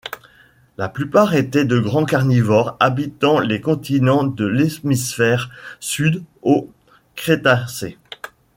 La plupart étaient de grands carnivores habitant les continents de l'hémisphère Sud au Crétacé.